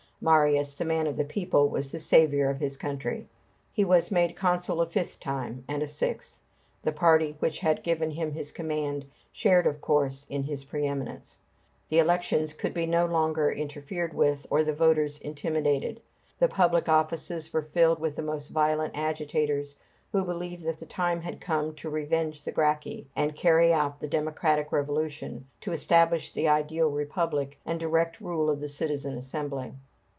Marius, the man of the people, was the saviour of his country. He was made consul a fifth time, and a sixth. The party which had given him his command shared, of course, in his pre eminence. The elections could be no longer interfered with or the voters intimidated. The public offices were filled with the most violent agitators, who believed that the time had come to revenge the Gracchi, and carry out the democratic revolution, to establish the ideal Republic, and the direct rule of the citizen assembly.